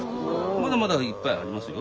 まだまだいっぱいありますよ。